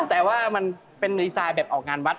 แต่ว่ามันเป็นรีไซน์แบบออกงานวัด